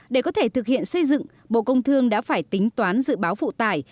để có thể thực hiện xây dựng bộ công thương đã phải tính toán dự báo phụ tải